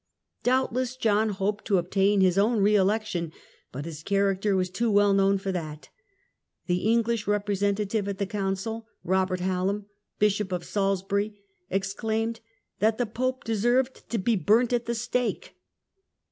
Doubtless John hoped to obtain his own re election, but his character was too well known for that. The English representative at the Council, Eobert Hallam Bishop of Salisbury, exclaimed that "the Pope deserved to be burnt at the stake".